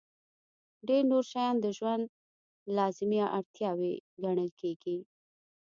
ډېر نور شیان د ژوند لازمي اړتیاوې ګڼل کېږي.